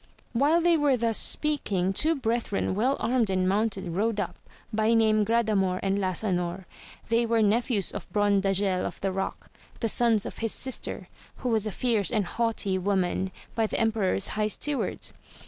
While they were thus speaking two brethren well armed and mounted rode up, by name Gradamor and Lasanor, they were nephews of Brondajel of the Eock, the sons of his sister, who was a fierce and haughty woman, by the emperor's high steward.